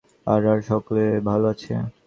আর আর সকলে ভাল আছে।